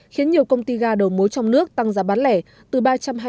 khiến nhiều công ty ga đầu mối trong nước tăng giá bán lẻ từ ba trăm hai mươi hai đô la mỹ